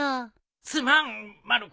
すまんまる子。